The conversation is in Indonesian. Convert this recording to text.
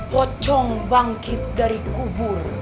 pokong bangkit dari kubur